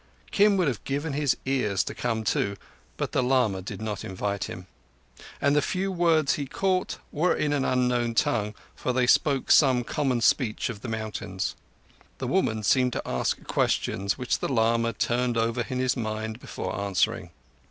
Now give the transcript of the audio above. Kim would have given his ears to come too, but the lama did not invite him; and the few words he caught were in an unknown tongue, for they spoke some common speech of the mountains. The woman seemed to ask questions which the lama turned over in his mind before answering.